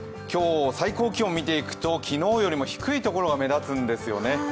最高気温を見ていくと昨日より低いところが目立つんですよね。